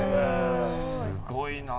すごいな。